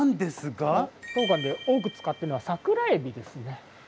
当館で多く使ってるのはサクラエビですね。